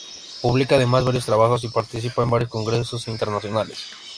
Publica además varios trabajos y participa en varios congresos internacionales.